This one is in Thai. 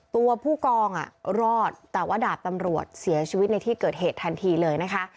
ตัวผู้กองรอดแต่ว่าดาบตำรวจเสียชีวิตในที่เกิดเหตุทันทีเลยนะคะ